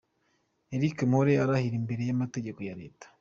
Eric Mpore arahira imbere y'amategeko ya Leta.